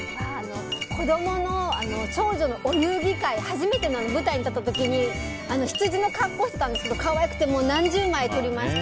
子供の、長女のお遊戯会初めての舞台に立った時にヒツジの格好をしていたんですけど、可愛くて何十枚撮りました。